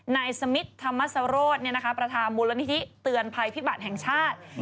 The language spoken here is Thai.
นายสมิทธรรมสโรธประธานมูลนิธิเตือนภัยพิบัติแห่งชาติ